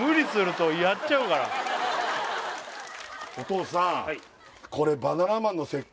お父さん